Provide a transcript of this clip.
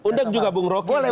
undang juga bang roky